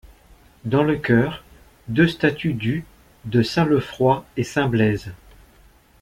Dans le chœur, deux statues du de saint Leufroy et saint Blaise.